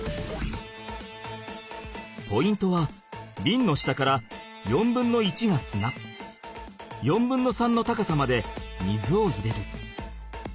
ポイントはビンの下から４分の１が砂４分の３の高さまで水を入れる。